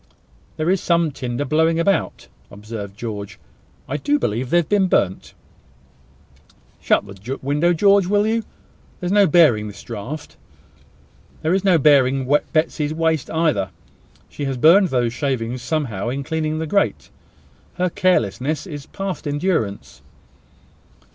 "There is some tinder blowing about," observed George. "I do believe they have been burnt." "Shut the window, George, will you? There is no bearing this draught. There is no bearing Betsy's waste either. She has burned those shavings somehow in cleaning the grate. Her carelessness is past endurance."